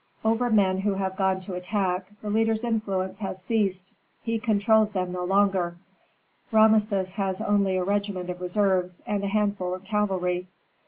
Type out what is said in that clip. Over men who have gone to attack, the leader's influence has ceased, he controls them no longer; Rameses has only a regiment of reserves, and a handful of cavalry.